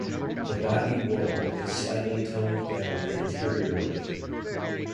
The body whorl is slightly toned down anteriorly.